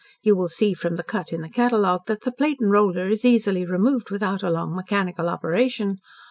You will see from the cut in the catalogue that the platen roller is easily removed without a long mechanical operation.